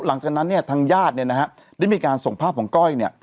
หลังจากนั้นเนี่ยทางญาติเนี่ยนะฮะได้มีการส่งภาพของก้อยเนี่ย